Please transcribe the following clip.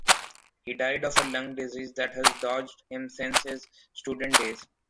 He died of a lung disease that had dogged him since his student days.